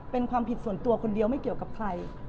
เป็นความผิดส่วนตัวคนเดียวไม่เกี่ยวกับใคร